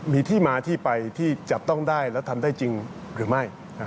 มีที่มาที่ไปที่จับต้องได้และทำได้จริงหรือไม่